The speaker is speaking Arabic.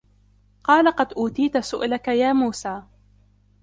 قال قد أوتيت سؤلك يا موسى